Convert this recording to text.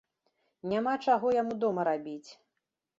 Няма чаго яму дома рабіць.